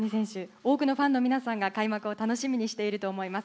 多くのファンの皆さんが開幕を楽しみにしていると思います。